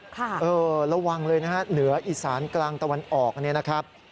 เออระวังเลยนะฮะเหนืออีสานกลางตะวันออกเนี่ยนะครับ